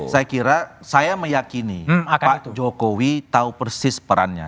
saya kira saya meyakini pak jokowi tahu persis perannya